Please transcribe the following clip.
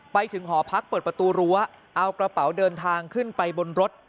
ไปถึงหอพักเปิดประตูรั้วเอากระเป๋าเดินทางขึ้นไปบนรถ